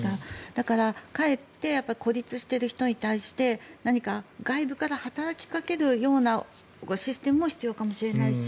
だからかえって孤立している人に対して何か外部から働きかけるようなシステムが必要かもしれないし